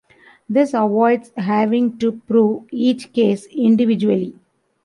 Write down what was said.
This avoids having to prove each case individually.